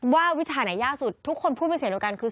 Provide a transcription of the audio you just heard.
ว่าวิชาไหนยากสุดทุกคนพูดไปเสียงตรงกันคือ